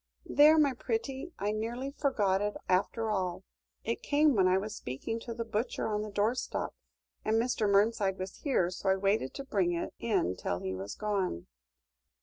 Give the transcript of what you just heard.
"There, my pretty; I nearly forgot it after all. It came when I was speaking to the butcher on the doorstep, and Mr. Mernside was here, so I waited to bring it in till he was gone."